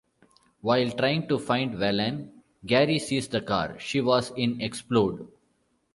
While trying to find Valene, Gary sees the car she was in explode.